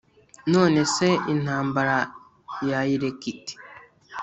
None se intambara yayireka ite